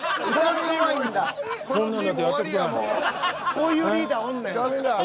こういうリーダーおんねん。